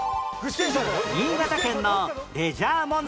新潟県のレジャー問題